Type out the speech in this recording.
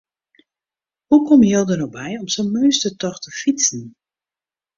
Hoe komme jo der no by om sa'n meunstertocht te fytsen?